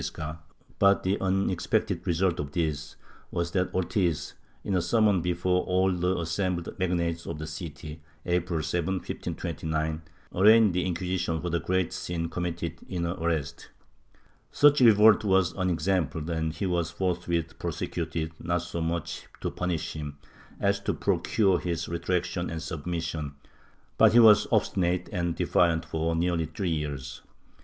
J 2 MYSTICISM [Book VIII but the unexpected result of this was that Ortiz, in a sermon before all the assembled magnates of the city April 7, 1529, arraigned the Inquisition for the great sin committed in her arrest. Such revolt was unexampled and he was forthwith prosecuted, not so much to punish him as to procure his retractation and submission, but he was obstinate and defiant for nearly three years.